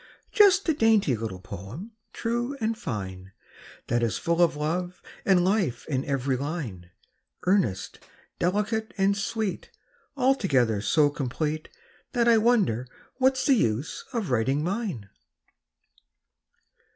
Just a dainty little poem, true and fine, That is full of love and life in every line, Earnest, delicate, and sweet, Altogether so complete That I wonder what's the use of writing mine.